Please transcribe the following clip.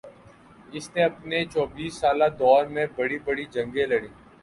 اس نے اپنے چوبیس سالہ دور میں بڑی بڑی جنگیں لڑیں